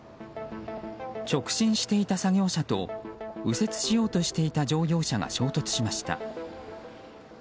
直進していた作業車と右折しようとしていた乗用車が衝突しました。